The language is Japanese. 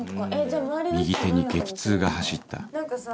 右手に激痛が走った何かさ